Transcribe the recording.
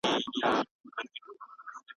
ایا ته په خپله موضوع کي پوره مهارت لرې؟